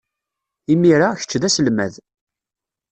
Imir-a, kečč d aselmad.